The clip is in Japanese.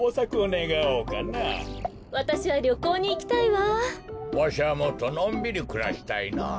わしはもっとのんびりくらしたいなあ。